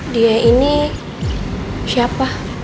dia ini siapa